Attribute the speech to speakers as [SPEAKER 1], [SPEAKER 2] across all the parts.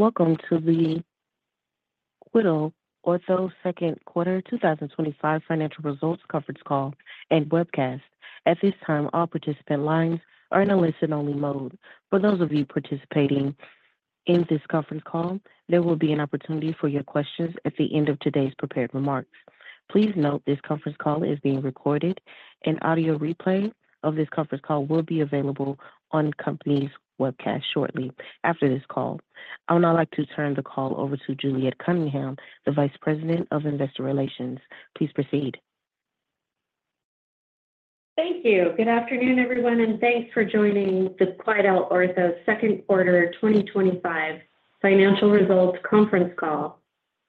[SPEAKER 1] Welcome to the QuidelOrtho second quarter 2025 financial results conference call and webcast. At this time, all participant lines are in a listen-only mode. For those of you participating in this conference call, there will be an opportunity for your questions at the end of today's prepared remarks. Please note this conference call is being recorded. An audio replay of this conference call will be available on the company's webcast shortly after this call. I would now like to turn the call over to Juliet Cunningham, the Vice President of Investor Relations. Please proceed.
[SPEAKER 2] Thank you. Good afternoon, everyone, and thanks for joining the QuidelOrtho second quarter 2025 financial results conference call.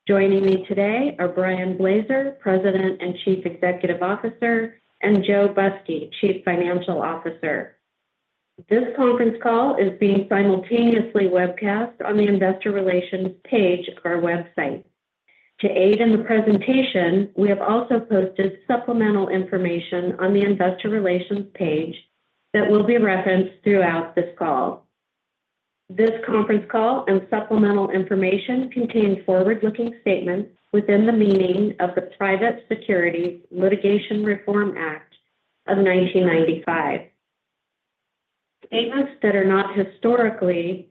[SPEAKER 2] Joining me today are Brian Blaser, President and Chief Executive Officer, and Joe Busky, Chief Financial Officer. This conference call is being simultaneously webcast on the Investor Relations page of our website. To aid in the presentation, we have also posted supplemental information on the Investor Relations page that will be referenced throughout this call. This conference call and supplemental information contain forward-looking statements within the meaning of the Private Securities Litigation Reform Act of 1995. Statements that are not strictly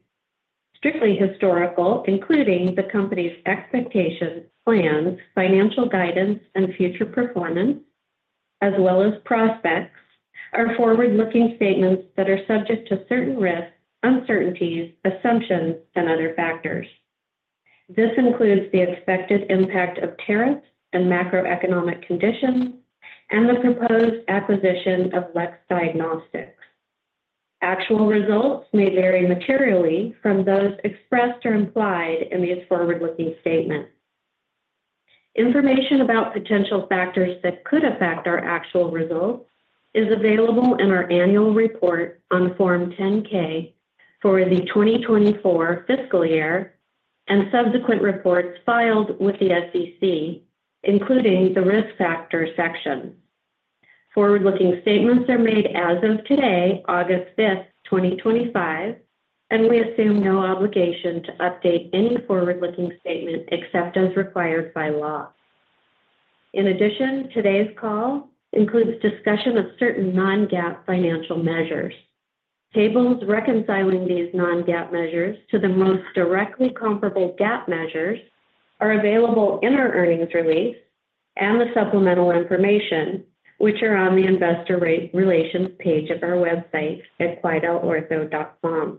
[SPEAKER 2] historical, including the company's expectations, plans, financial guidance, and future performance, as well as prospects, are forward-looking statements that are subject to certain risks, uncertainties, assumptions, and other factors. This includes the expected impact of tariffs and macroeconomic conditions and the proposed acquisition of LEX Diagnostics. Actual results may vary materially from those expressed or implied in these forward-looking statements. Information about potential factors that could affect our actual results is available in our annual report on Form 10-K for the 2024 fiscal year and subsequent reports filed with the SEC, including the Risk Factors section. Forward-looking statements are made as of today, August 5th, 2025, and we assume no obligation to update any forward-looking statement except as required by law. In addition, today's call includes discussion of certain non-GAAP financial measures. Tables reconciling these non-GAAP measures to the most directly comparable GAAP measures are available in our earnings release and the supplemental information, which are on the Investor Relations page of our website at quidelortho.com.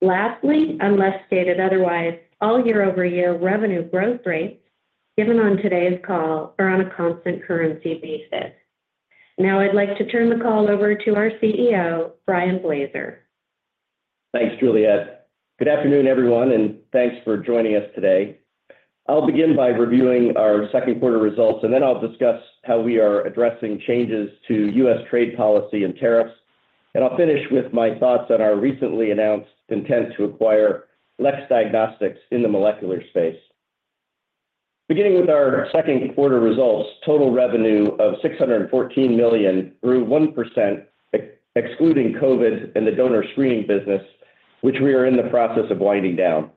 [SPEAKER 2] Lastly, unless stated otherwise, all year-over-year revenue growth rates given on today's call are on a constant currency basis. Now I'd like to turn the call over to our CEO, Brian Blaser.
[SPEAKER 3] Thanks, Juliet. Good afternoon, everyone, and thanks for joining us today. I'll begin by reviewing our second quarter results, and then I'll discuss how we are addressing changes to U.S. trade policy and tariffs. I'll finish with my thoughts on our recently announced intent to acquire LEX Diagnostics in the molecular space. Beginning with our second quarter results, total revenue of $614 million grew 1%, excluding COVID and the Donor Screening business, which we are in the process of winding down.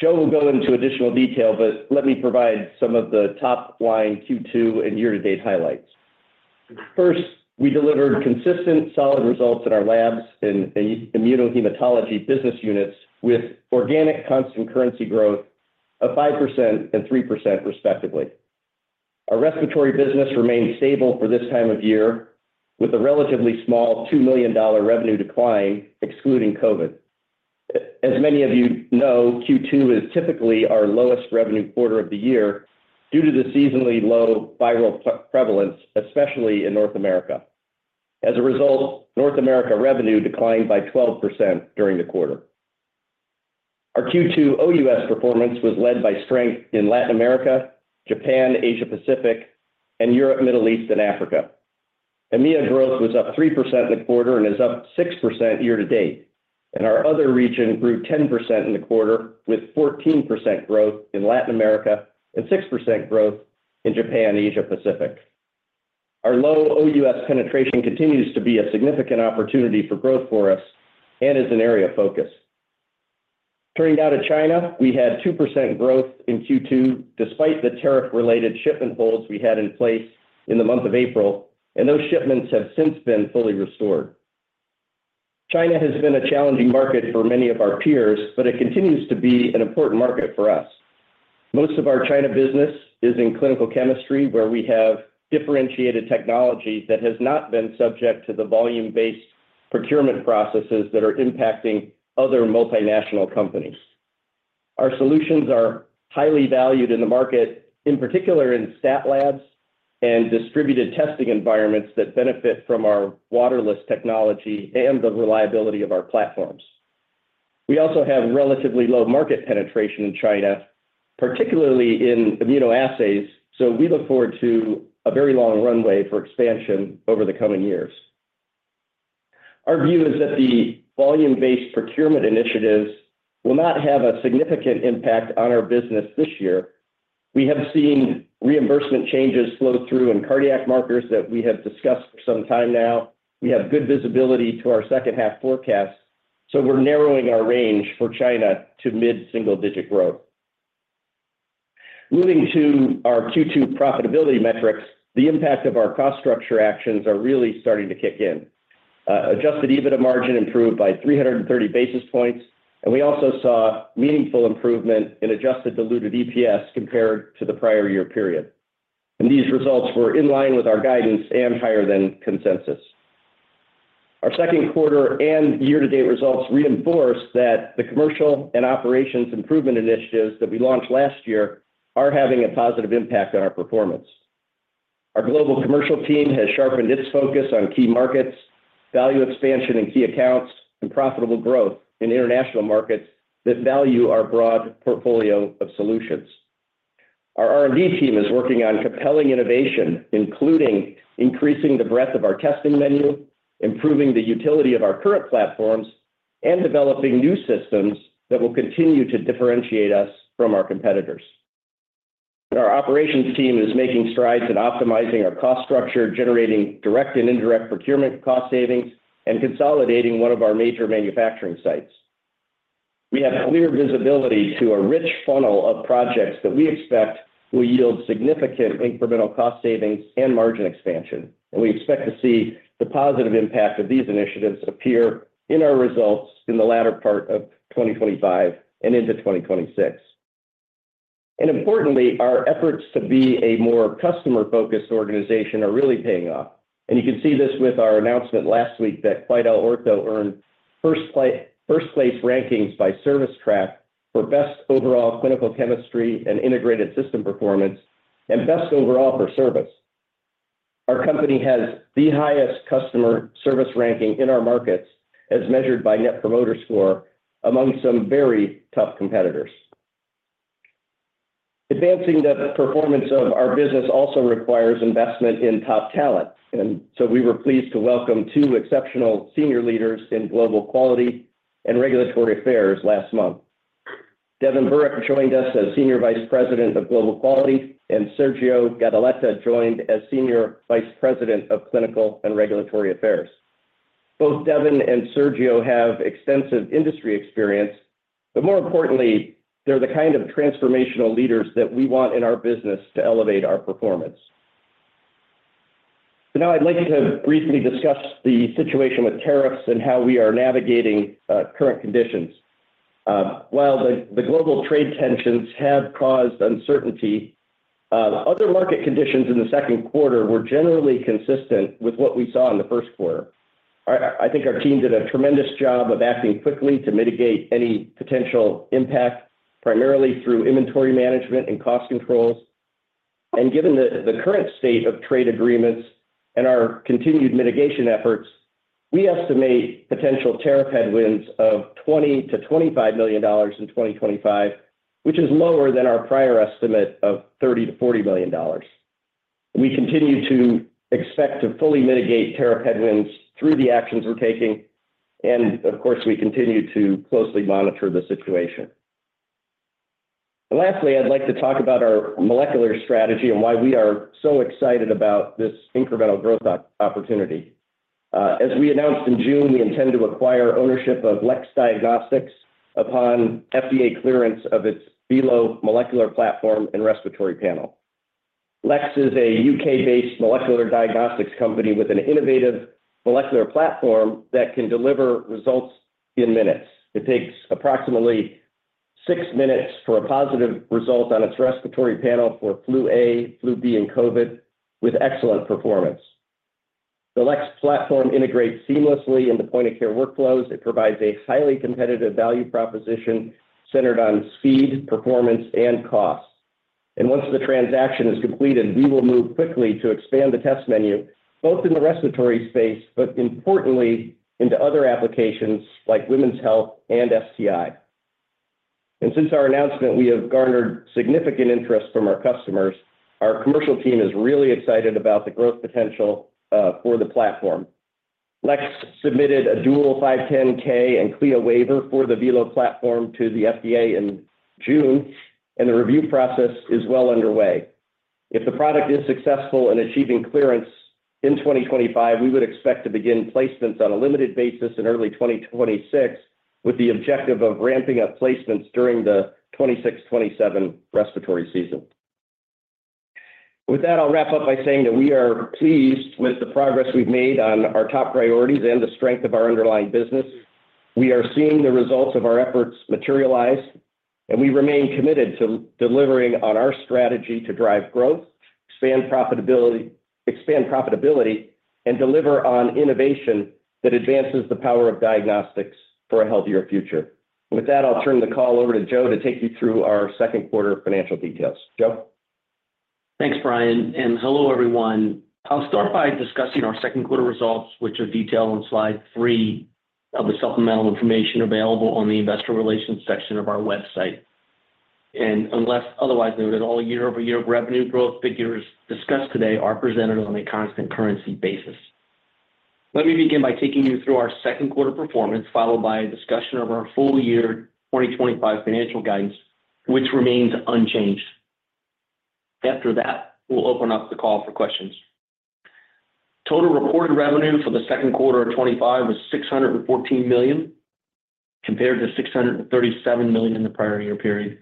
[SPEAKER 3] Joe will go into additional detail, but let me provide some of the top-line Q2 and year-to-date highlights. First, we delivered consistent, solid results in our Labs and Immunohematology business units with organic constant currency growth of 5% and 3%, respectively. Our respiratory business remained stable for this time of year, with a relatively small $2 million revenue decline, excluding COVID. As many of you know, Q2 is typically our lowest revenue quarter of the year due to the seasonally low viral prevalence, especially in North America. As a result, North America revenue declined by 12% during the quarter. Our Q2 OUS performance was led by strength in Latin America, Japan, Asia Pacific, and Europe, Middle East, and Africa. Immunogrowth was up 3% in the quarter and is up 6% year to date. Our other region grew 10% in the quarter, with 14% growth in Latin America and 6% growth in Japan and Asia Pacific. Our low OUS penetration continues to be a significant opportunity for growth for us and is an area of focus. Turning now to China, we had 2% growth in Q2 despite the tariff-related shipment holds we had in place in the month of April, and those shipments have since been fully restored. China has been a challenging market for many of our peers, but it continues to be an important market for us. Most of our China business is in clinical chemistry, where we have differentiated technology that has not been subject to the volume-based procurement processes that are impacting other multinational companies. Our solutions are highly valued in the market, in particular in stat labs and distributed testing environments that benefit from our waterless technology and the reliability of our platforms. We also have relatively low market penetration in China, particularly in immunoassays, so we look forward to a very long runway for expansion over the coming years. Our view is that the volume-based procurement initiatives will not have a significant impact on our business this year. We have seen reimbursement changes flow through in cardiac markers that we have discussed for some time now. We have good visibility to our second half forecast, so we're narrowing our range for China to mid-single-digit growth. Moving to our Q2 profitability metrics, the impact of our cost structure actions is really starting to kick in. Adjusted EBITDA margin improved by 330 basis points, and we also saw meaningful improvement in adjusted diluted EPS compared to the prior year period. These results were in line with our guidance and higher than consensus. Our second quarter and year-to-date results reinforce that the commercial and operations improvement initiatives that we launched last year are having a positive impact on our performance. Our global commercial team has sharpened its focus on key markets, value expansion in key accounts, and profitable growth in international markets that value our broad portfolio of solutions. Our R&D team is working on compelling innovation, including increasing the breadth of our testing menu, improving the utility of our current platforms, and developing new systems that will continue to differentiate us from our competitors. Our operations team is making strides in optimizing our cost structure, generating direct and indirect procurement cost savings, and consolidating one of our major manufacturing sites. We have clear visibility to a rich funnel of projects that we expect will yield significant incremental cost savings and margin expansion, and we expect to see the positive impact of these initiatives appear in our results in the latter part of 2025 and into 2026. Importantly, our efforts to be a more customer-focused organization are really paying off. You can see this with our announcement last week that QuidelOrtho earned first place rankings by ServiceTrack for best overall clinical chemistry and integrated system performance, and best overall for service. Our company has the highest customer service ranking in our markets, as measured by Net Promoter Score, among some very tough competitors. Advancing the performance of our business also requires investment in top talent, and we were pleased to welcome two exceptional senior leaders in global quality and regulatory affairs last month. Devon Burek joined us as Senior Vice President of Global Quality, and Sergio Gadaleta joined as Senior Vice President of Clinical and Regulatory Affairs. Both Devon and Sergio have extensive industry experience, but more importantly, they're the kind of transformational leaders that we want in our business to elevate our performance. I'd like to briefly discuss the situation with tariffs and how we are navigating current conditions. While the global trade tensions have caused uncertainty, other market conditions in the second quarter were generally consistent with what we saw in the first quarter. I think our team did a tremendous job of acting quickly to mitigate any potential impact, primarily through inventory management and cost controls. Given the current state of trade agreements and our continued mitigation efforts, we estimate potential tariff headwinds of $20 million-$25 million in 2025, which is lower than our prior estimate of $30 million-$40 million. We continue to expect to fully mitigate tariff headwinds through the actions we're taking, and of course, we continue to closely monitor the situation. Lastly, I'd like to talk about our molecular strategy and why we are so excited about this incremental growth opportunity. As we announced in June, we intend to acquire ownership of LEX Diagnostics upon FDA clearance of its vilo molecular platform and respiratory panel. LEX is a UK-based molecular diagnostics company with an innovative molecular platform that can deliver results in minutes. It takes approximately six minutes for a positive result on its respiratory panel for flu A, flu B, and COVID, with excellent performance. The LEX platform integrates seamlessly into point-of-care workflows. It provides a highly competitive value proposition centered on speed, performance, and cost. Once the transaction is completed, we will move quickly to expand the test menu, both in the respiratory space, but importantly into other applications like women's health and STI. Since our announcement, we have garnered significant interest from our customers. Our commercial team is really excited about the growth potential for the platform. LEX submitted a dual 510(k) and CLIA waiver for the vilo platform to the FDA in June, and the review process is well underway. If the product is successful in achieving clearance in 2025, we would expect to begin placements on a limited basis in early 2026, with the objective of ramping up placements during the 2026-2027 respiratory season. With that, I'll wrap up by saying that we are pleased with the progress we've made on our top priorities and the strength of our underlying business. We are seeing the results of our efforts materialize, and we remain committed to delivering on our strategy to drive growth, expand profitability, and deliver on innovation that advances the power of diagnostics for a healthier future. With that, I'll turn the call over to Joe to take you through our second quarter financial details. Joe.
[SPEAKER 4] Thanks, Brian, and hello, everyone. I'll start by discussing our second quarter results, which are detailed on slide three of the supplemental information available on the Investor Relations section of our website. Unless otherwise noted, all year-over-year revenue growth figures discussed today are presented on a constant currency basis. Let me begin by taking you through our second quarter performance, followed by a discussion of our full-year 2025 financial guidance, which remains unchanged. After that, we'll open up the call for questions. Total reported revenue for the second quarter of 2025 was $614 million, compared to $637 million in the prior year period.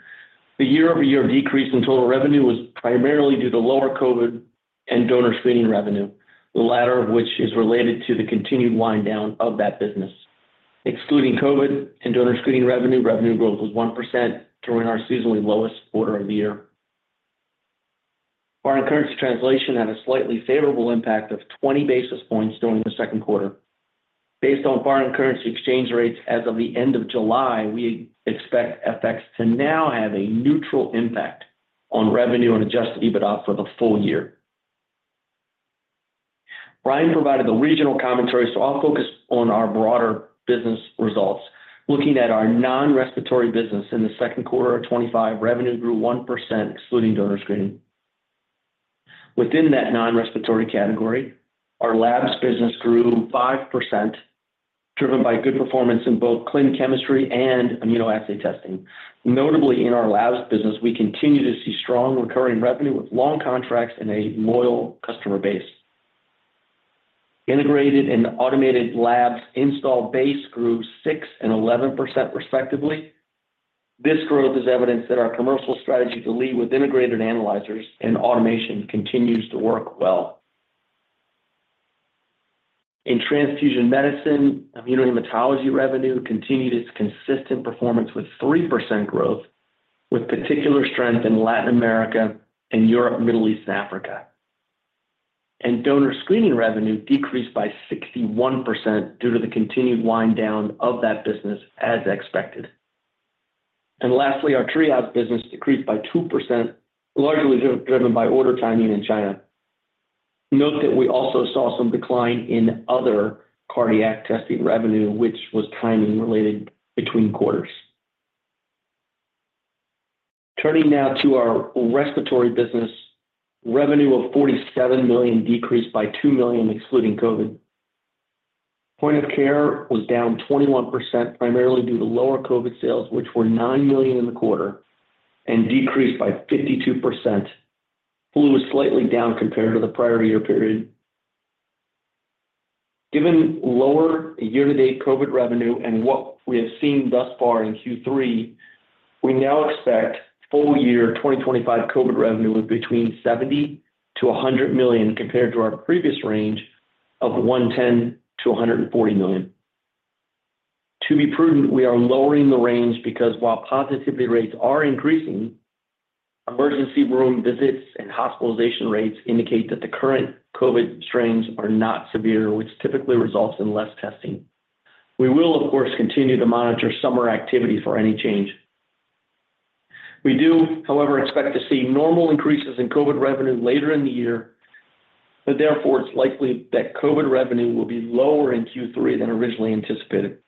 [SPEAKER 4] The year-over-year decrease in total revenue was primarily due to lower COVID and Donor Screening revenue, the latter of which is related to the continued wind-down of that business. Excluding COVID and Donor Screening revenue, revenue growth was 1% during our seasonally lowest quarter of the year. Foreign currency translation had a slightly favorable impact of 20 basis points during the second quarter. Based on foreign currency exchange rates as of the end of July, we expect FX to now have a neutral impact on revenue and adjusted EBITDA for the full year. Brian provided the regional commentaries, so I'll focus on our broader business results. Looking at our non-respiratory business in the second quarter of 2025, revenue grew 1%, excluding Donor Screening. Within that non-respiratory category, our Labs business grew 5%, driven by good performance in both clinical chemistry and immunoassay testing. Notably, in our Labs business, we continue to see strong recurring revenue with long contracts and a loyal customer base. Integrated and automated Labs install base grew 6% and 11%, respectively. This growth is evidence that our commercial strategy to lead with integrated analyzers and automation continues to work well. In transfusion medicine, Immunohematology revenue continued its consistent performance with 3% growth, with particular strength in Latin America and Europe, Middle East, and Africa. Donor Screening revenue decreased by 61% due to the continued wind-down of that business, as expected. Lastly, our triage business decreased by 2%, largely driven by order timing in China. Note that we also saw some decline in other cardiac testing revenue, which was timing related between quarters. Turning now to our respiratory business, revenue of $47 million decreased by $2 million, excluding COVID. Point-of-care was down 21%, primarily due to lower COVID sales, which were $9 million in the quarter and decreased by 52%. Flu was slightly down compared to the prior year period. Given lower year-to-date COVID revenue and what we have seen thus far in Q3, we now expect full-year 2025 COVID revenue of between $70 million -$100 million, compared to our previous range of $110 million-$140 million. To be prudent, we are lowering the range because while positivity rates are increasing, emergency room visits and hospitalization rates indicate that the current COVID strains are not severe, which typically results in less testing. We will, of course, continue to monitor summer activity for any change. We do, however, expect to see normal increases in COVID revenue later in the year, and therefore, it's likely that COVID revenue will be lower in Q3 than originally anticipated.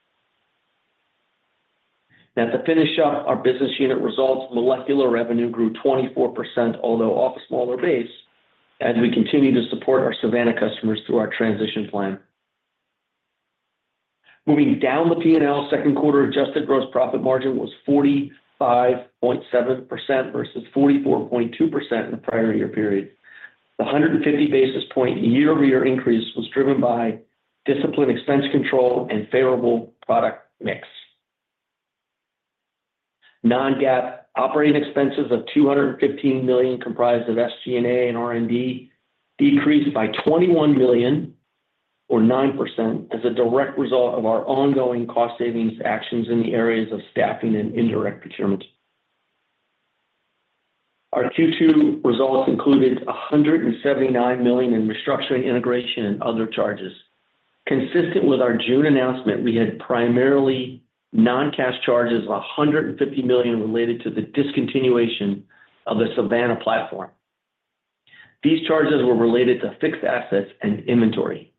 [SPEAKER 4] Now, to finish up, our business unit results in molecular revenue grew 24%, although off a smaller base, as we continue to support our Savanna customers through our transition plan. Moving down the P&L, second quarter adjusted gross profit margin was 45.7% versus 44.2% in the prior year period. The 150 basis point year-over-year increase was driven by disciplined expense control and favorable product mix. Non-GAAP operating expenses of $215 million, comprised of SG&A and R&D, decreased by $21 million, or 9%, as a direct result of our ongoing cost savings actions in the areas of staffing and indirect procurement. Our Q2 results included $179 million in restructuring, integration, and other charges. Consistent with our June announcement, we had primarily non-cash charges of $150 million related to the discontinuation of the Savanna platform. These charges were related to fixed assets and inventory.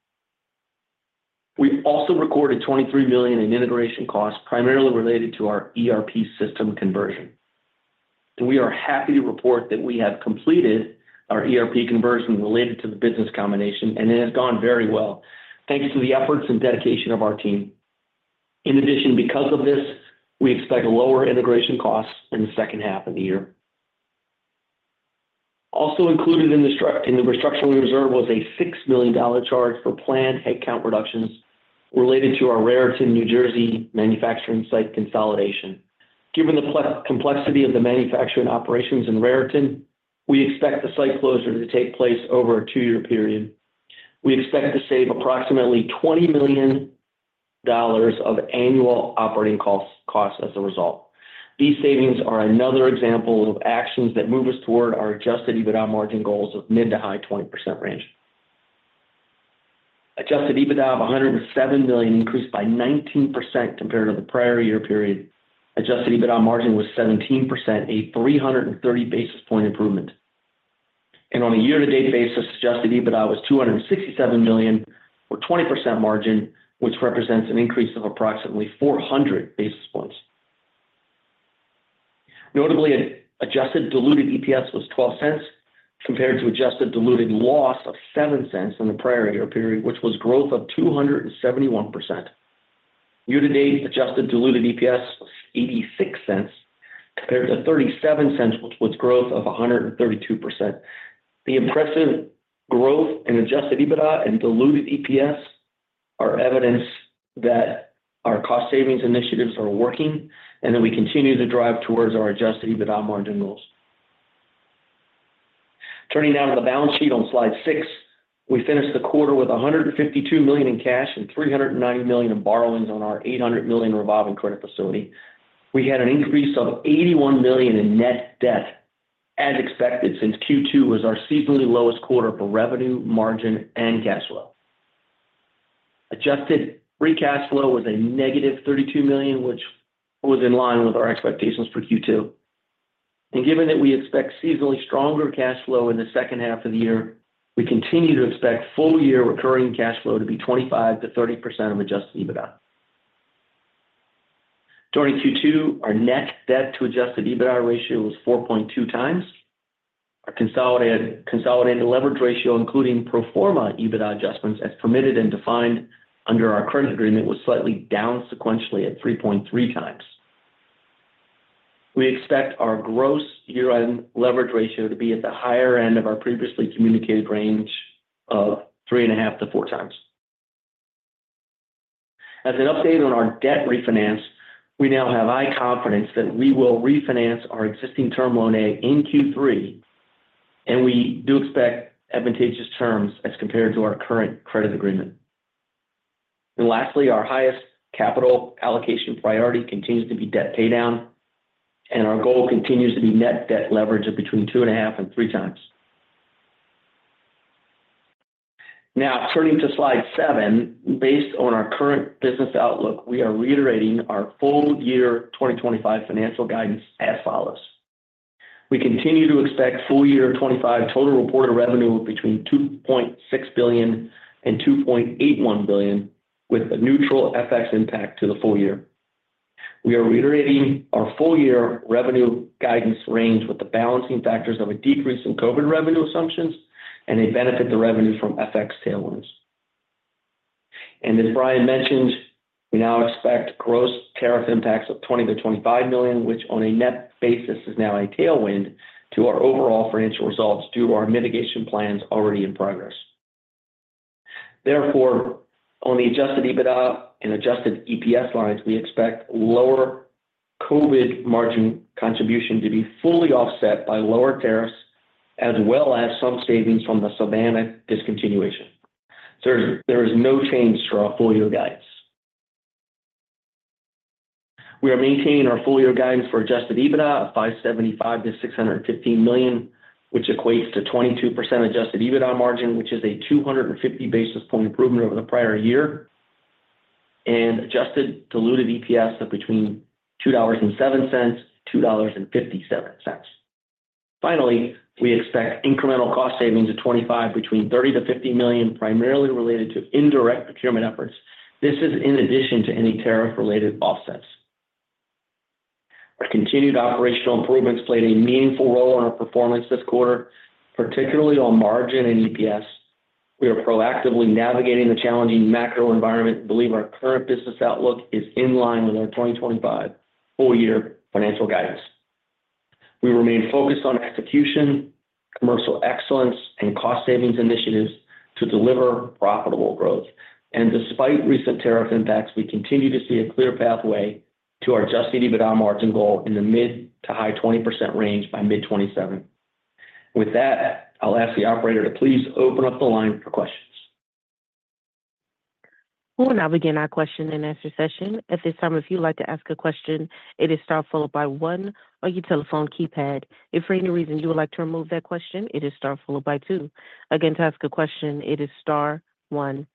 [SPEAKER 4] We also recorded $23 million in integration costs, primarily related to our ERP system conversion. We are happy to report that we have completed our ERP conversion related to the business combination, and it has gone very well, thanks to the efforts and dedication of our team. In addition, because of this, we expect lower integration costs in the second half of the year. Also included in the restructuring reserve was a $6 million charge for planned headcount reductions related to our Raritan, New Jersey, manufacturing site consolidation. Given the complexity of the manufacturing operations in Raritan, we expect the site closure to take place over a two-year period. We expect to save approximately $20 million of annual operating costs as a result. These savings are another example of actions that move us toward our adjusted EBITDA margin goals of mid to high 20% range. Adjusted EBITDA of $107 million increased by 19% compared to the prior year period. Adjusted EBITDA margin was 17%, a 330 basis point improvement. On a year-to-date basis, adjusted EBITDA was $267 million, or 20% margin, which represents an increase of approximately 400 basis points. Notably, adjusted diluted EPS was $0.12 compared to adjusted diluted loss of $0.07 in the prior year period, which was growth of 271%. Year-to-date adjusted diluted EPS was $0.86 compared to $0.37, which was growth of 132%. The impressive growth in adjusted EBITDA and diluted EPS are evidence that our cost savings initiatives are working and that we continue to drive towards our adjusted EBITDA margin goals. Turning now to the balance sheet on slide six, we finished the quarter with $152 million in cash and $390 million in borrowings on our $800 million revolving credit facility. We had an increase of $81 million in net debt, as expected since Q2 was our seasonally lowest quarter for revenue, margin, and cash flow. Adjusted free cash flow was a negative $32 million, which was in line with our expectations for Q2. Given that we expect seasonally stronger cash flow in the second half of the year, we continue to expect full-year recurring cash flow to be 25%-30% of adjusted EBITDA. During Q2, our net debt to adjusted EBITDA ratio was 4.2x. Our consolidated leverage ratio, including pro forma EBITDA adjustments as permitted and defined under our credit agreement, was slightly down sequentially at 3.3x. We expect our gross year-end leverage ratio to be at the higher end of our previously communicated range of 3.5x-4x. As an update on our debt refinance, we now have high confidence that we will refinance our existing Term Loan A in Q3, and we do expect advantageous terms as compared to our current credit agreement. Lastly, our highest capital allocation priority continues to be debt paydown, and our goal continues to be net debt leverage of between 2.5x and 3x. Now, turning to slide seven, based on our current business outlook, we are reiterating our full-year 2025 financial guidance as follows. We continue to expect full-year 2025 total reported revenue of between $2.6 billion and $2.81 billion, with a neutral FX impact to the full year. We are reiterating our full-year revenue guidance range with the balancing factors of a decrease in COVID revenue assumptions and a benefit to revenues from FX tailwinds. As Brian mentioned, we now expect gross tariff impacts of $20 million-$25 million, which on a net basis is now a tailwind to our overall financial results due to our mitigation plans already in progress. Therefore, on the adjusted EBITDA and adjusted EPS lines, we expect lower COVID margin contribution to be fully offset by lower tariffs, as well as some savings from the Savanna discontinuation. There is no change to our full-year guidance. We are maintaining our full-year guidance for adjusted EBITDA of $575 million-$615 million, which equates to 22% adjusted EBITDA margin, which is a 250 basis point improvement over the prior year, and adjusted diluted EPS of between $2.07 and $2.57. Finally, we expect incremental cost savings of $25 million between $30 million-$50 million, primarily related to indirect procurement efforts. This is in addition to any tariff-related offsets. Our continued operational improvements played a meaningful role in our performance this quarter, particularly on margin and EPS. We are proactively navigating the challenging macro environment and believe our current business outlook is in line with our 2025 full-year financial guidance. We remain focused on execution, commercial excellence, and cost savings initiatives to deliver profitable growth. Despite recent tariff impacts, we continue to see a clear pathway to our adjusted EBITDA margin goal in the mid to high 20% range by mid 2027. With that, I'll ask the operator to please open up the line for questions.
[SPEAKER 1] We'll now begin our question and answer session. At this time, if you would like to ask a question, it is star followed by one on your telephone keypad. If for any reason you would like to remove that question, it is star followed by two. Again, to ask a question, it is star one.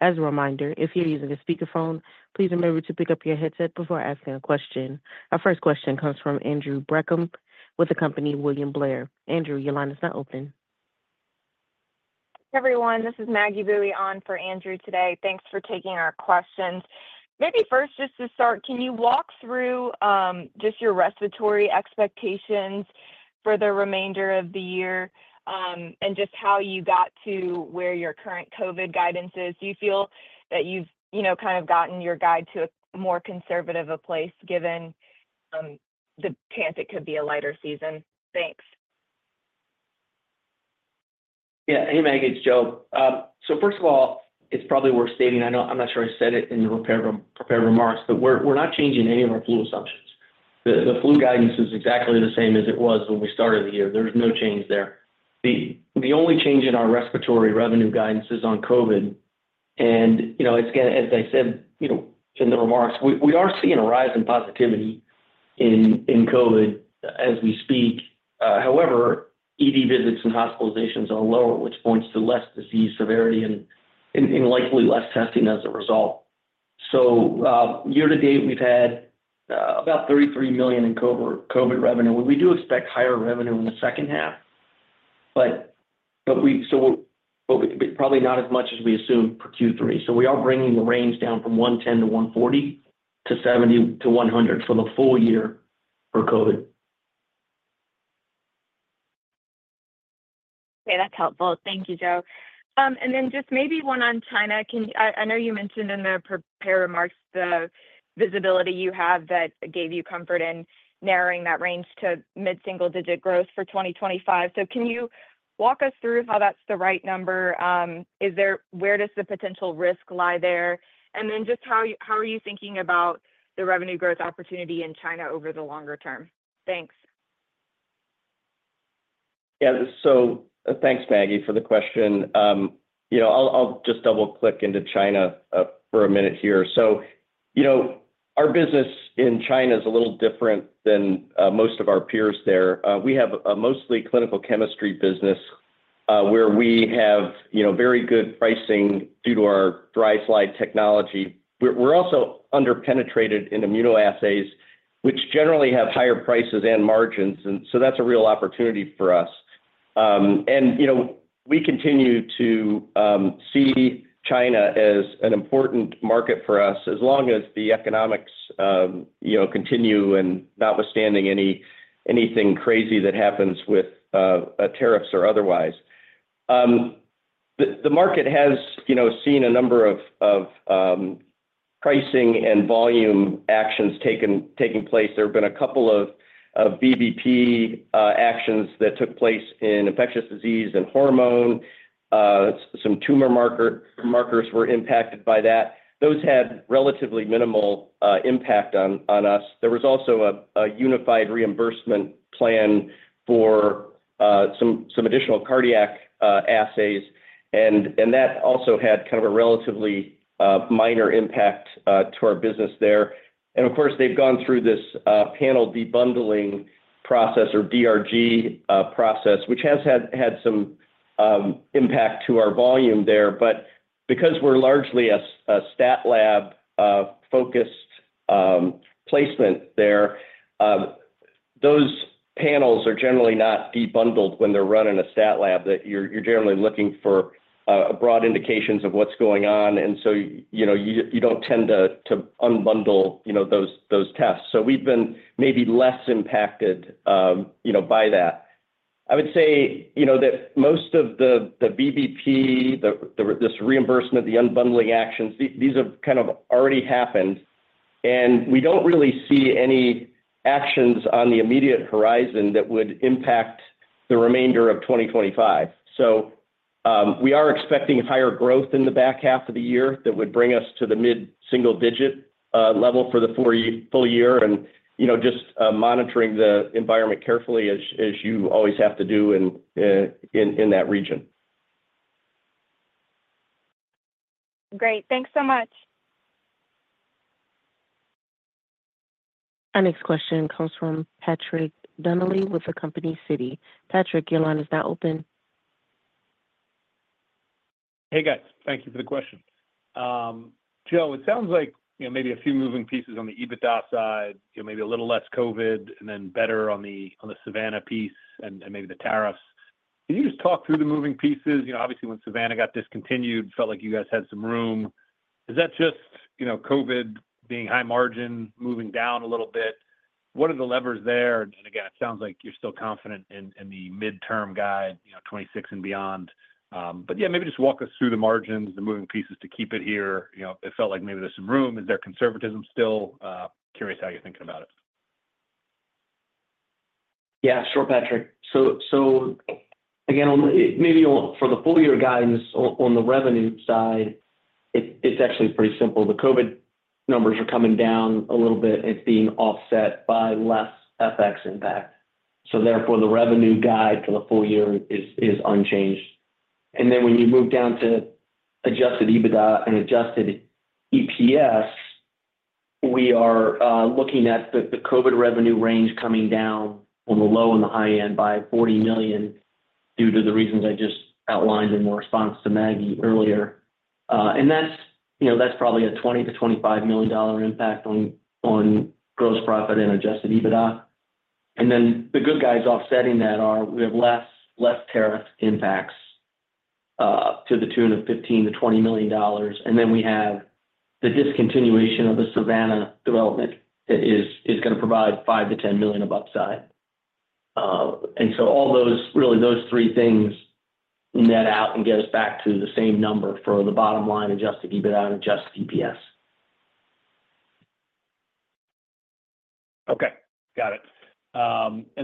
[SPEAKER 1] As a reminder, if you're using a speakerphone, please remember to pick up your headset before asking a question. Our first question comes from Andrew Brackmann with William Blair. Andrew, your line is now open.
[SPEAKER 5] Hey, everyone. This is Maggie Boeye on for Andrew today. Thanks for taking our questions. Maybe first, just to start, can you walk through your respiratory expectations for the remainder of the year, and just how you got to where your current COVID guidance is? Do you feel that you've kind of gotten your guide to a more conservative place given the chance it could be a lighter season? Thanks.
[SPEAKER 4] Yeah. Hey, Maggie. It's Joe. First of all, it's probably worth stating, I know I'm not sure I said it in the prepared remarks, but we're not changing any of our flu assumptions. The flu guidance is exactly the same as it was when we started the year. There's no change there. The only change in our respiratory revenue guidance is on COVID. You know, as I said in the remarks, we are seeing a rise in positivity in COVID as we speak. However, ED visits and hospitalizations are low, which points to less disease severity and likely less testing as a result. Year to date, we've had about $33 million in COVID revenue. We do expect higher revenue in the second half, but probably not as much as we assumed for Q3. We are bringing the range down from $110 million-$140 million to $70 million-$100 million for the full year for COVID.
[SPEAKER 5] Okay. That's helpful. Thank you, Joe. Maybe one on China. I know you mentioned in the prepared remarks the visibility you have that gave you comfort in narrowing that range to mid-single-digit growth for 2025. Can you walk us through how that's the right number? Where does the potential risk lie there? How are you thinking about the revenue growth opportunity in China over the longer term? Thanks.
[SPEAKER 3] Yeah. Thanks, Maggie, for the question. I'll just double-click into China for a minute here. Our business in China is a little different than most of our peers there. We have a mostly clinical chemistry business, where we have very good pricing due to our dry slide technology. We're also underpenetrated in immunoassays, which generally have higher prices and margins. That's a real opportunity for us. We continue to see China as an important market for us as long as the economics continue and notwithstanding anything crazy that happens with tariffs or otherwise. The market has seen a number of pricing and volume actions taking place. There have been a couple of BVP actions that took place in infectious disease and hormone. Some tumor markers were impacted by that. Those had relatively minimal impact on us. There was also a unified reimbursement plan for some additional cardiac assays. That also had kind of a relatively minor impact to our business there. Of course, they've gone through this panel debundling process or DRG process, which has had some impact to our volume there. Because we're largely a stat lab-focused placement there, those panels are generally not debundled when they're run in a stat lab. You're generally looking for broad indications of what's going on, and you don't tend to unbundle those tests. We've been maybe less impacted by that. I would say that most of the BVP, this reimbursement of the unbundling actions, these have kind of already happened. We don't really see any actions on the immediate horizon that would impact the remainder of 2025. We are expecting higher growth in the back half of the year that would bring us to the mid-single-digit level for the full year. We're just monitoring the environment carefully as you always have to do in that region.
[SPEAKER 5] Great, thanks so much.
[SPEAKER 1] Our next question comes from Patrick Donnelly with the company, Citi. Patrick, your line is now open.
[SPEAKER 6] Hey, guys. Thank you for the question. Joe, it sounds like, you know, maybe a few moving pieces on the EBITDA side, you know, maybe a little less COVID and then better on the Savanna piece and maybe the tariffs. Can you just talk through the moving pieces? Obviously, when Savanna got discontinued, felt like you guys had some room. Is that just, you know, COVID being high margin, moving down a little bit? What are the levers there? It sounds like you're still confident in the midterm guide, you know, 2026 and beyond. Maybe just walk us through the margins, the moving pieces to keep it here. It felt like maybe there's some room. Is there conservatism still? Curious how you're thinking about it.
[SPEAKER 4] Yeah. Sure, Patrick. For the full-year guidance on the revenue side, it's actually pretty simple. The COVID numbers are coming down a little bit. It's being offset by less FX impact. Therefore, the revenue guide for the full year is unchanged. When you move down to adjusted EBITDA and adjusted EPS, we are looking at the COVID revenue range coming down on the low and the high end by $40 million due to the reasons I just outlined in response to Maggie earlier. That's probably a $20 million-$25 million impact on gross profit and adjusted EBITDA. The good guys offsetting that are we have less tariff impacts, to the tune of $15 million-$20 million. We have the discontinuation of the Savanna development, which is going to provide $5 million-$10 million of upside. All those, really, those three things net out and get us back to the same number for the bottom line adjusted EBITDA and adjusted EPS.
[SPEAKER 6] Okay. Got it.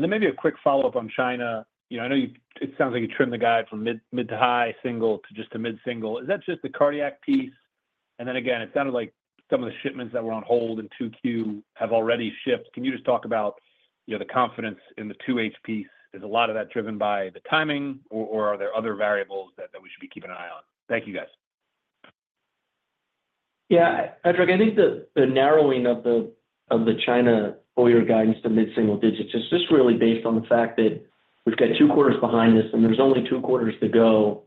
[SPEAKER 6] Maybe a quick follow-up on China. I know it sounds like you trimmed the guide from mid to high single to just a mid-single. Is that just the cardiac piece? It's kind of like some of the shipments that were on hold in Q2 have already shipped. Can you talk about the confidence in the Q2 piece? Is a lot of that driven by the timing, or are there other variables that we should be keeping an eye on? Thank you, guys.
[SPEAKER 4] Yeah. Patrick, I think the narrowing of the China full-year guidance to mid-single digits is just really based on the fact that we've got two quarters behind us and there's only two quarters to go.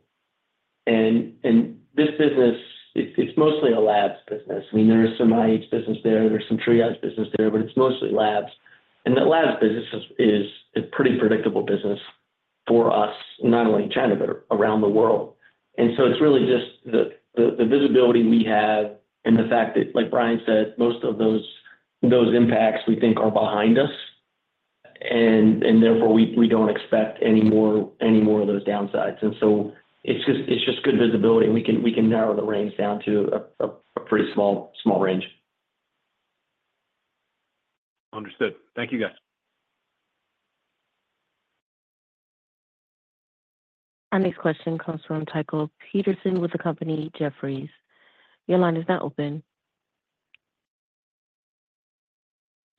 [SPEAKER 4] This business, it's mostly a Labs business. I mean, there's some Immunohematology business there, there's some triage business there, but it's mostly Labs. The Labs business is a pretty predictable business for us, not only in China, but around the world. It's really just the visibility we have and the fact that, like Brian said, most of those impacts we think are behind us. Therefore, we don't expect any more of those downsides. It's just good visibility, and we can narrow the range down to a pretty small range.
[SPEAKER 6] Understood. Thank you, guys.
[SPEAKER 1] Our next question comes from Tycho Peterson with Jefferies. Your line is now open.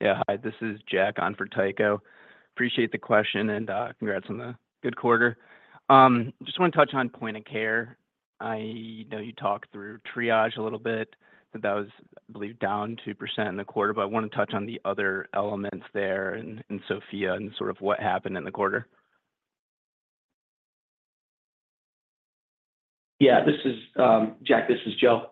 [SPEAKER 7] Yeah. Hi. This is Jack on for Tycho. Appreciate the question and congrats on the good quarter. I just want to touch on point-of-care. I know you talked through Triage a little bit, that was, I believe, down 2% in the quarter, but I want to touch on the other elements there in Sofia and sort of what happened in the quarter.
[SPEAKER 4] Yeah. This is Jack. This is Joe.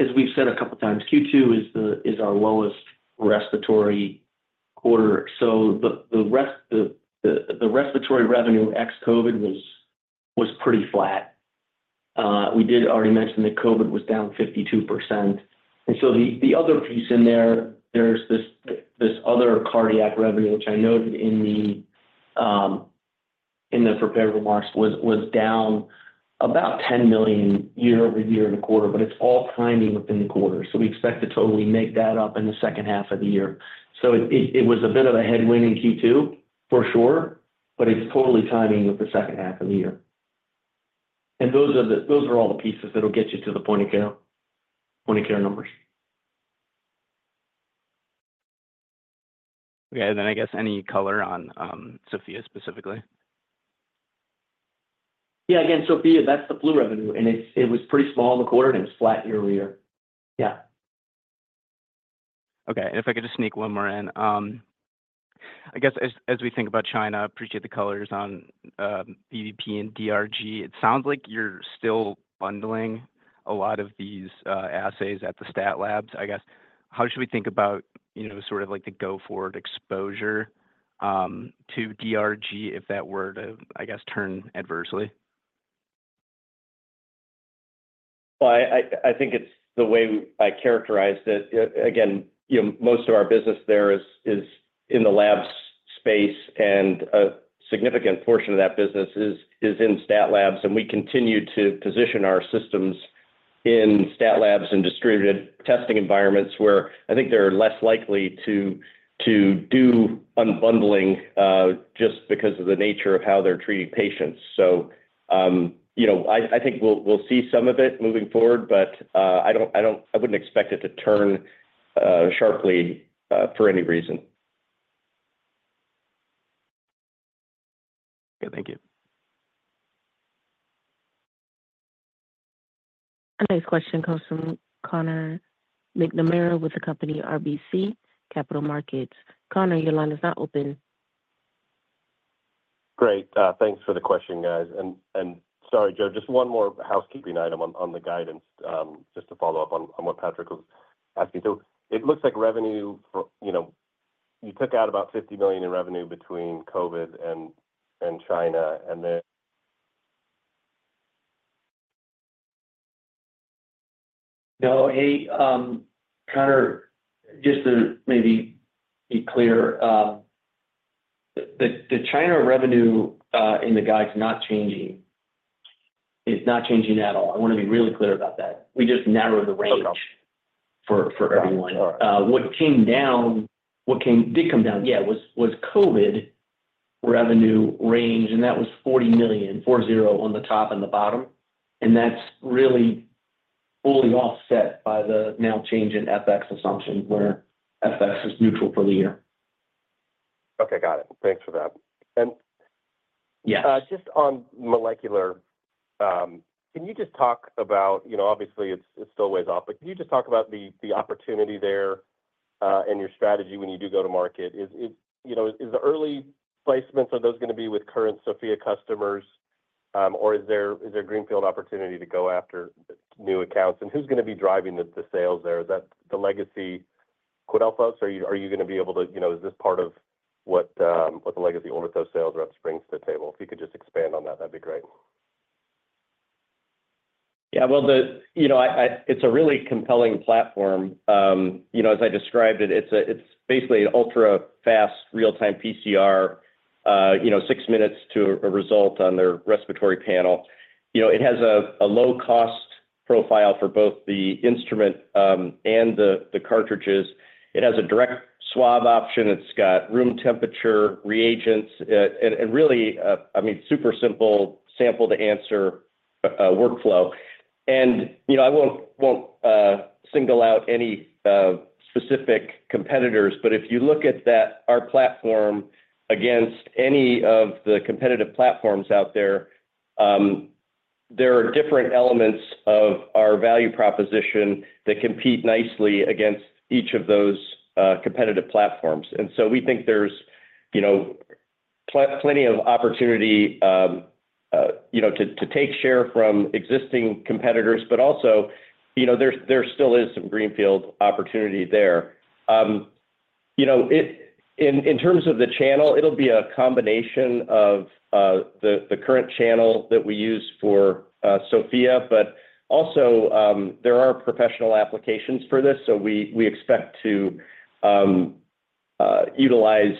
[SPEAKER 4] As we've said a couple of times, Q2 is our lowest respiratory quarter. The respiratory revenue ex-COVID was pretty flat. We did already mention that COVID was down 52%. The other piece in there, there's this other cardiac revenue, which I noted in the prepared remarks, was down about $10 million year-over-year in the quarter, but it's all timing within the quarter. We expect to totally make that up in the second half of the year. It was a bit of a headwind in Q2, for sure, but it's totally timing with the second half of the year. Those are all the pieces that will get you to the point-of-care numbers.
[SPEAKER 7] Okay. Is there any color on Sofia specifically?
[SPEAKER 4] Yeah. Again, Sofia, that's the flu revenue, and it was pretty small in the quarter, and it was flat year over year.
[SPEAKER 7] Okay. If I could just sneak one more in, as we think about China, I appreciate the colors on BVP and DRG. It sounds like you're still bundling a lot of these assays at the stat labs. How should we think about, you know, sort of like the go-forward exposure to DRG if that were to turn adversely?
[SPEAKER 3] I think it's the way I characterize that, again, you know, most of our business there is in the Labs business, and a significant portion of that business is in stat labs. We continue to position our systems in stat labs and distributed testing environments where I think they're less likely to do unbundling, just because of the nature of how they're treating patients. I think we'll see some of it moving forward, but I don't expect it to turn sharply for any reason.
[SPEAKER 7] Okay, thank you.
[SPEAKER 1] Our next question comes from Conor McNamara with RBC Capital Markets. Conor, your line is now open.
[SPEAKER 8] Great. Thanks for the question, guys. Sorry, Joe, just one more housekeeping item on the guidance, just to follow up on what Patrick was asking. It looks like revenue for, you know, you took out about $50 million in revenue between COVID and China, and then.
[SPEAKER 4] No. Hey, Conor, just to maybe be clear, the China revenue in the guide is not changing. It's not changing at all. I want to be really clear about that. We just narrowed the range up for everyone.
[SPEAKER 8] Sure.
[SPEAKER 4] What came down, what did come down, yeah, was COVID revenue range, and that was $40 million, four zero on the top and the bottom. That's really fully offset by the now changing FX assumption where FX is neutral for the year.
[SPEAKER 8] Okay. Got it. Thanks for that. Just on molecular, can you talk about, you know, obviously, it's still ways off, but can you talk about the opportunity there, and your strategy when you do go to market? Is it, you know, is the early placements, are those going to be with current Sofia customers, or is there greenfield opportunity to go after new accounts? Who's going to be driving the sales there? Is that the legacy Quidel folks, or are you going to be able to, you know, is this part of what the legacy Ortho sales rep brings to the table? If you could just expand on that, that'd be great.
[SPEAKER 3] Yeah. It's a really compelling platform. As I described it, it's basically an ultra-fast, real-time PCR, six minutes to a result on their respiratory panel. It has a low-cost profile for both the instrument and the cartridges. It has a direct swab option. It's got room temperature reagents, and really, I mean, super simple sample-to-answer workflow. I won't single out any specific competitors, but if you look at our platform against any of the competitive platforms out there, there are different elements of our value proposition that compete nicely against each of those competitive platforms. We think there's plenty of opportunity to take share from existing competitors, but also there still is some greenfield opportunity there. In terms of the channel, it'll be a combination of the current channel that we use for Sofia, but also there are professional applications for this. We expect to utilize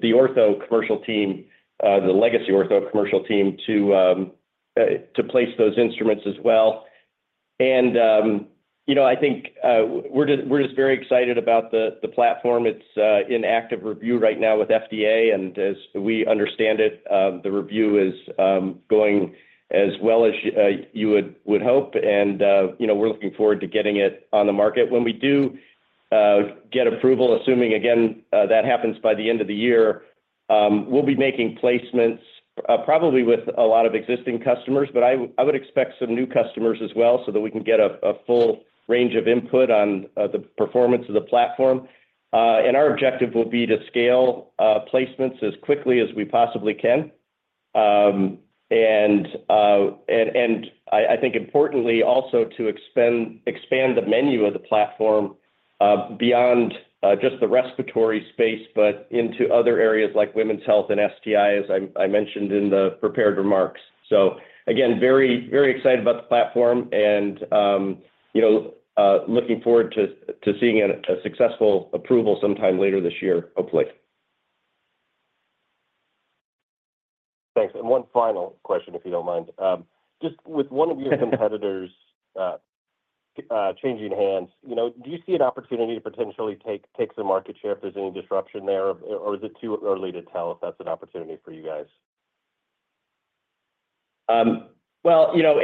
[SPEAKER 3] the Ortho commercial team, the legacy Ortho commercial team, to place those instruments as well. I think we're just very excited about the platform. It's in active review right now with FDA. As we understand it, the review is going as well as you would hope. We're looking forward to getting it on the market. When we do get approval, assuming again that happens by the end of the year, we'll be making placements, probably with a lot of existing customers, but I would expect some new customers as well so that we can get a full range of input on the performance of the platform. Our objective will be to scale placements as quickly as we possibly can. I think importantly also to expand the menu of the platform beyond just the respiratory space, but into other areas like women's health and STI, as I mentioned in the prepared remarks. Again, very, very excited about the platform and looking forward to seeing a successful approval sometime later this year, hopefully.
[SPEAKER 8] Thanks. One final question, if you don't mind. With one of your competitors changing hands, do you see an opportunity to potentially take some market share if there's any disruption there, or is it too early to tell if that's an opportunity for you guys?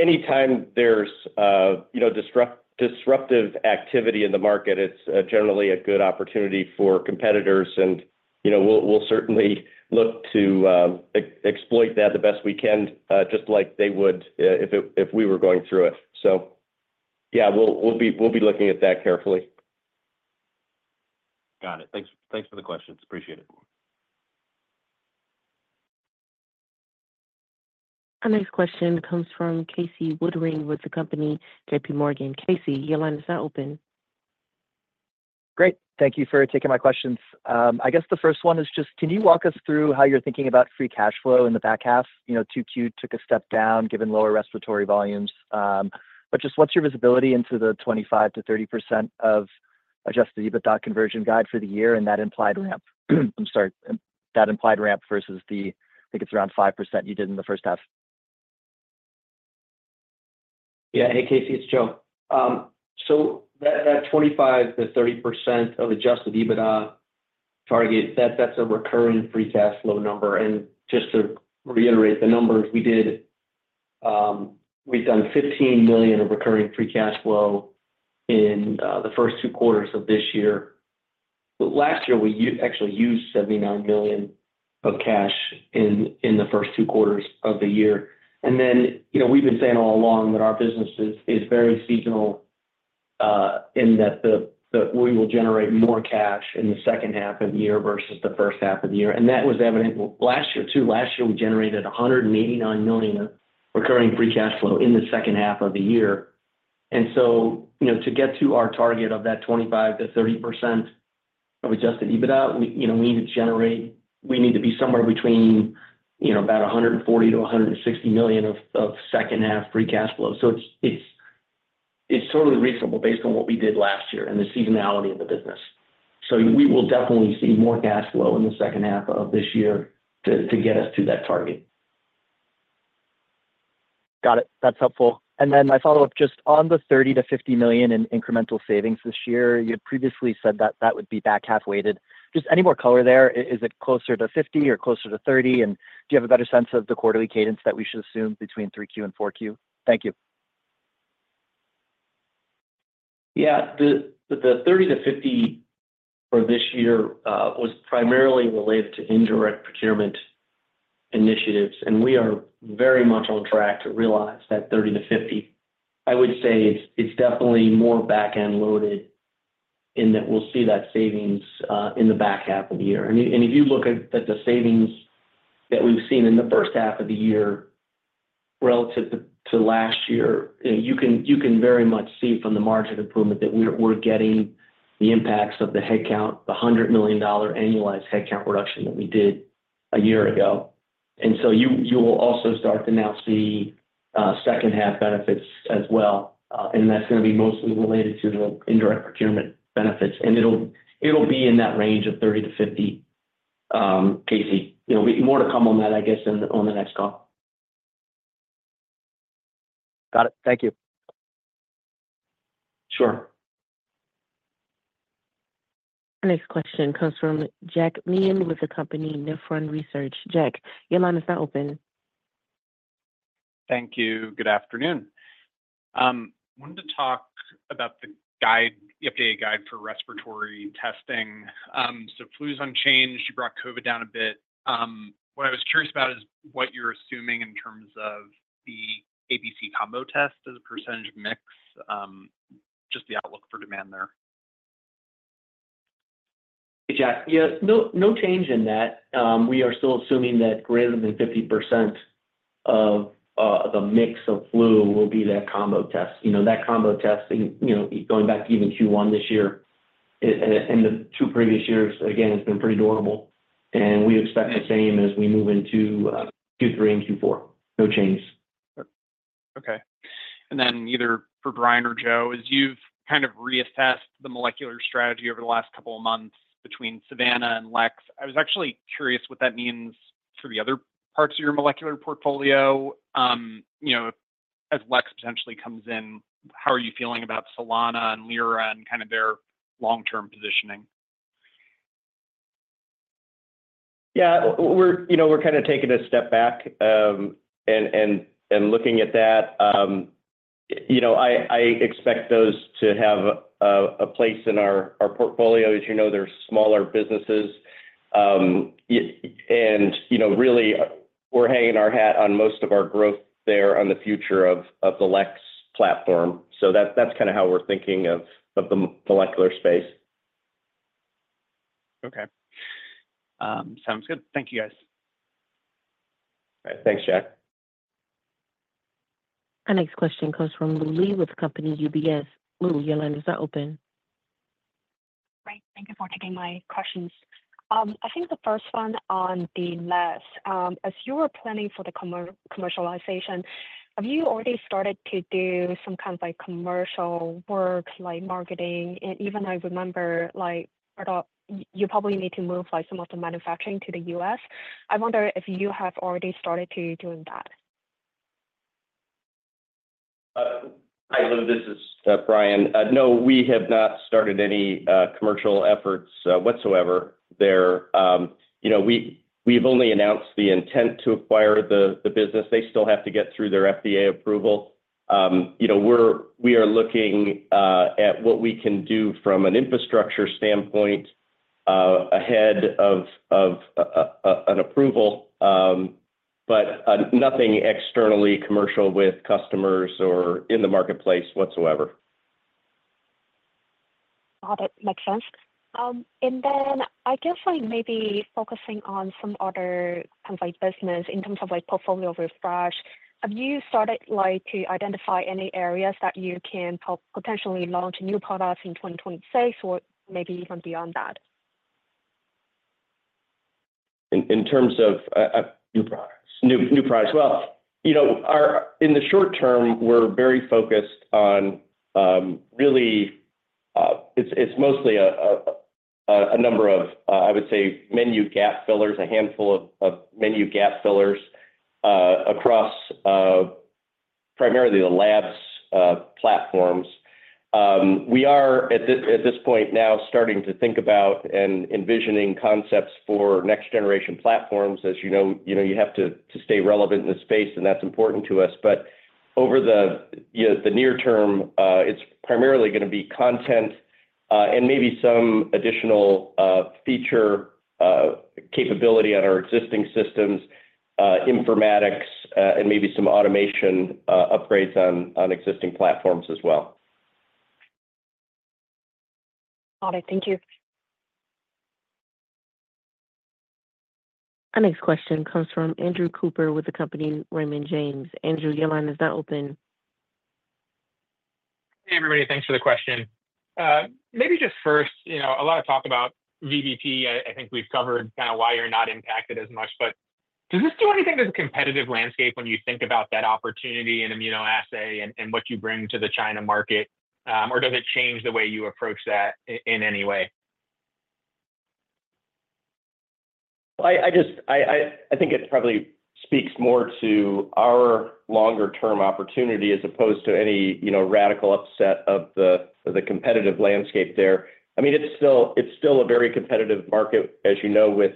[SPEAKER 3] Anytime there's disruptive activity in the market, it's generally a good opportunity for competitors. We'll certainly look to exploit that the best we can, just like they would if we were going through it. We'll be looking at that carefully.
[SPEAKER 8] Got it. Thanks. Thanks for the questions. Appreciate it.
[SPEAKER 1] Our next question comes from Casey Woodring with JPMorgan. Casey, your line is now open.
[SPEAKER 9] Great. Thank you for taking my questions. I guess the first one is just, can you walk us through how you're thinking about free cash flow in the back half? You know, 2Q took a step down given lower respiratory volumes. Just what's your visibility into the 25%-30% of adjusted EBITDA conversion guide for the year and that implied ramp? I'm sorry. That implied ramp versus the, I think it's around 5% you did in the first half.
[SPEAKER 4] Yeah. Hey, Casey. It's Joe. That 25%-30% of adjusted EBITDA target, that's a recurring free cash flow number. Just to reiterate the numbers, we've done $15 million of recurring free cash flow in the first two quarters of this year. Last year, we actually used $79 million of cash in the first two quarters of the year. We've been saying all along that our business is very seasonal, in that we will generate more cash in the second half of the year versus the first half of the year. That was evident last year, too. Last year, we generated $189 million of recurring free cash flow in the second half of the year. To get to our target of that 25%-30% of adjusted EBITDA, we need to generate, we need to be somewhere between about $140 million-$160 million of second half free cash flow. It's totally reasonable based on what we did last year and the seasonality of the business. We will definitely see more cash flow in the second half of this year to get us to that target.
[SPEAKER 9] Got it. That's helpful. My follow-up just on the $30 million-$50 million in incremental savings this year, you had previously said that that would be back half weighted. Any more color there? Is it closer to $50 million or closer to $30 million? Do you have a better sense of the quarterly cadence that we should assume between 3Q and 4Q? Thank you.
[SPEAKER 4] Yeah. The $30 million-$50 million for this year was primarily related to indirect procurement initiatives. We are very much on track to realize that $30 million-$50 million. I would say it's definitely more back-end loaded in that we'll see that savings in the back half of the year. If you look at the savings that we've seen in the first half of the year relative to last year, you can very much see from the margin improvement that we're getting the impacts of the headcount, the $100 million annualized headcount reduction that we did a year ago. You will also start to now see second half benefits as well. That's going to be mostly related to the indirect procurement benefits. It'll be in that range of $30 million-$50 million, Casey. There'll be more to come on that, I guess, on the next call.
[SPEAKER 9] Got it. Thank you.
[SPEAKER 4] Sure.
[SPEAKER 1] Our next question comes from Jack Meehan with the company, Nephron Research. Jack, your line is now open.
[SPEAKER 10] Thank you. Good afternoon. I wanted to talk about the guide, the updated guide for respiratory testing. Flu is unchanged. You brought COVID down a bit. What I was curious about is what you're assuming in terms of the A/B/C combo test as a percentage of mix, just the outlook for demand there.
[SPEAKER 4] Hey, Jack. Yeah, no change in that. We are still assuming that greater than 50% of the mix of flu will be that combo test. You know, that combo test, and going back to even Q1 this year and the two previous years, it's been pretty durable. We expect the same as we move into Q3 and Q4. No changes.
[SPEAKER 10] Okay. Okay. Either for Brian or Joe, as you've kind of reassessed the molecular strategy over the last couple of months between Savanna and LEX, I was actually curious what that means for the other parts of your molecular portfolio. As LEX potentially comes in, how are you feeling about Solana and Lyra and kind of their long-term positioning?
[SPEAKER 3] Yeah. We're kind of taking a step back and looking at that. I expect those to have a place in our portfolio. As you know, they're smaller businesses, and really, we're hanging our hat on most of our growth there on the future of the LEX platform. That's kind of how we're thinking of the molecular space.
[SPEAKER 10] Okay, sounds good. Thank you, guys.
[SPEAKER 3] All right. Thanks, Jack.
[SPEAKER 1] Our next question comes from Lu Li with UBS. Lu, your line is now open.
[SPEAKER 11] Right. Thank you for taking my questions. I think the first one on the left, as you were planning for the commercialization, have you already started to do some kind of like commercial work, like marketing? I remember, like, I don't, you probably need to move like some of the manufacturing to the U.S. I wonder if you have already started to doing that.
[SPEAKER 3] Hi, Lu. This is Brian. No, we have not started any commercial efforts whatsoever there. We've only announced the intent to acquire the business. They still have to get through their FDA approval. We are looking at what we can do from an infrastructure standpoint ahead of an approval, but nothing externally commercial with customers or in the marketplace whatsoever.
[SPEAKER 11] Got it. Makes sense. I guess maybe focusing on some other kind of business in terms of portfolio refresh, have you started to identify any areas that you can potentially launch new products in 2026 or maybe even beyond that?
[SPEAKER 3] In terms of new products? New products. Our in the short term, we're very focused on, really, it's mostly a number of, I would say, menu gap fillers, a handful of menu gap fillers, across, primarily the Labs business platforms. We are at this point now starting to think about and envisioning concepts for next-generation platforms. As you know, you have to stay relevant in this space, and that's important to us. Over the near term, it's primarily going to be content, and maybe some additional feature capability on our existing systems, informatics, and maybe some automation upgrades on existing platforms as well.
[SPEAKER 11] Got it. Thank you.
[SPEAKER 1] Our next question comes from Andrew Cooper with Raymond James. Andrew, your line is now open.
[SPEAKER 12] Hey, everybody. Thanks for the question. Maybe just first, you know, a lot of talk about BVP. I think we've covered kind of why you're not impacted as much. Does this do anything to the competitive landscape when you think about that opportunity in immunoassay and what you bring to the China market? Does it change the way you approach that in any way?
[SPEAKER 3] I think it probably speaks more to our longer-term opportunity as opposed to any, you know, radical upset of the competitive landscape there. It's still a very competitive market, as you know, with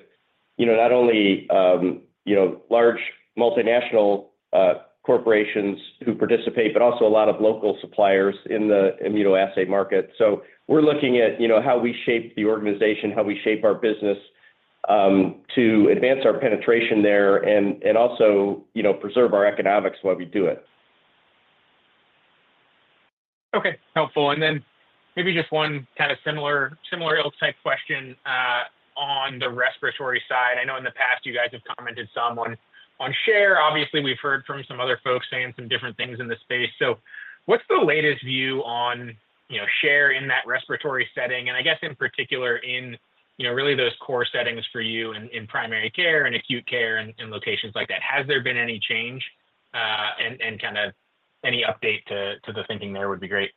[SPEAKER 3] not only large multinational corporations who participate, but also a lot of local suppliers in the immunoassay market. We're looking at how we shape the organization, how we shape our business, to advance our penetration there and also preserve our economics while we do it.
[SPEAKER 12] Okay. Helpful. Maybe just one kind of similar type question on the respiratory side. I know in the past, you guys have commented some on share. Obviously, we've heard from some other folks saying some different things in the space. What's the latest view on share in that respiratory setting? I guess in particular in those core settings for you in primary care and acute care and locations like that. Has there been any change, and any update to the thinking there would be great.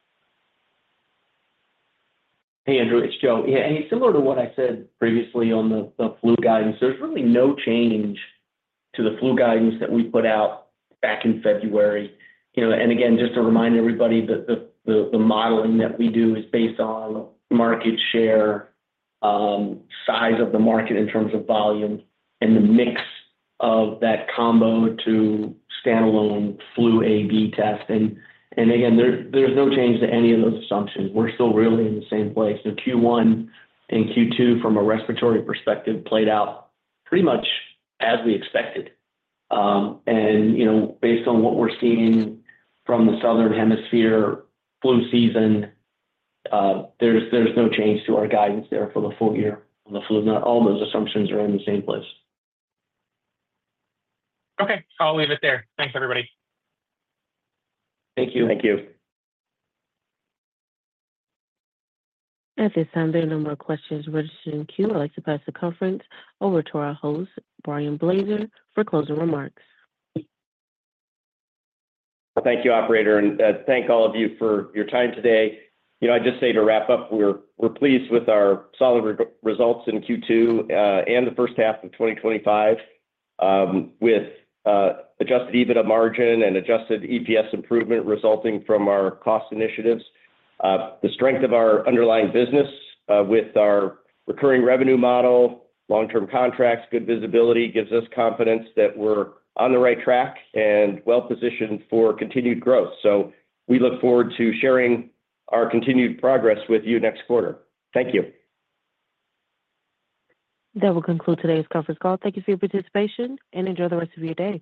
[SPEAKER 4] Hey, Andrew. It's Joe. Yeah. Similar to what I said previously on the flu guidance, there's really no change to the flu guidance that we put out back in February. Just to remind everybody that the modeling that we do is based on market share, size of the market in terms of volume, and the mix of that combo to standalone flu A/B test. Again, there's no change to any of those assumptions. We're still really in the same place. Q1 and Q2, from a respiratory perspective, played out pretty much as we expected. Based on what we're seeing from the southern hemisphere flu season, there's no change to our guidance there for the full year on the flu. All those assumptions are in the same place.
[SPEAKER 12] Okay. I'll leave it there. Thanks, everybody.
[SPEAKER 4] Thank you.
[SPEAKER 3] Thank you.
[SPEAKER 1] Okay. Sounds good. No more questions registering Q. I'd like to pass the conference over to our host, Brian Blaser, for closing remarks.
[SPEAKER 3] Thank you, operator. Thank all of you for your time today. I'd just say to wrap up, we're pleased with our solid results in Q2 and the first half of 2025, with adjusted EBITDA margin and adjusted EPS improvement resulting from our cost initiatives. The strength of our underlying business, with our recurring revenue model, long-term contracts, and good visibility gives us confidence that we're on the right track and well-positioned for continued growth. We look forward to sharing our continued progress with you next quarter. Thank you.
[SPEAKER 1] That will conclude today's conference call. Thank you for your participation and enjoy the rest of your day.